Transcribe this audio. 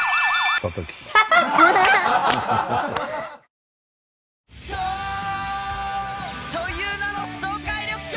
颯という名の爽快緑茶！